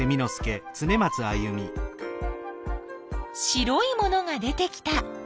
白いものが出てきた。